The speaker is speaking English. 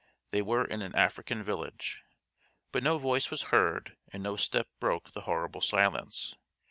They were in an African village. But no voice was heard and no step broke the horrible silence.